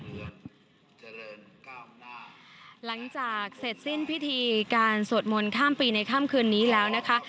หลังจากเสร็จสิ้นพิธีการสวดมนต์ข้ามปีในค่ำคืนนี้แล้วนะคะ